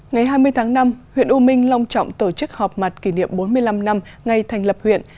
ngày hai mươi tháng năm huyện u minh long trọng tổ chức họp mặt kỷ niệm bốn mươi năm năm ngày thành lập huyện